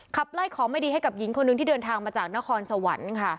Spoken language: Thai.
ขับไล่ของไม่ดีให้กับหญิงคนหนึ่งที่เดินทางมาจากนครสวรรค์ค่ะ